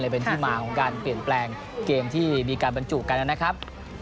เป็นที่มาของการเปลี่ยนแปลงเกมที่มีการบรรจุกันนะครับ